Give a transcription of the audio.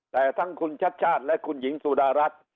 แต่ทั้งคุณชัดชาติและคุณหญิงสุดารัฐ